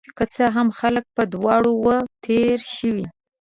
که څه هم، خلک په دواړو وو تیر شوي